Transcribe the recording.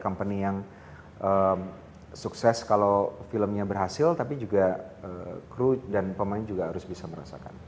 company yang sukses kalau filmnya berhasil tapi juga kru dan pemain juga harus bisa merasakan